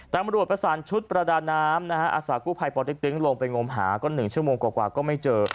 ตามรวบประสานชุดประดานน้ำอาสากุภัยปติ๊กติ๊งลงไปงมหาก็๑ชั่วโมงกว่ากว่าก็ไม่เจอ